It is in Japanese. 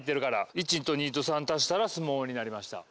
１と２と３足したら「すもう」になりました。